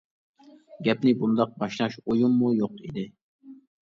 گەپنى بۇنداق باشلاش ئويۇممۇ يوق ئىدى.